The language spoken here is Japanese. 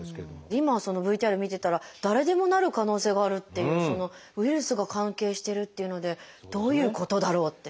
今ＶＴＲ見てたら誰でもなる可能性があるっていうウイルスが関係してるっていうのでどういうことだろう？って。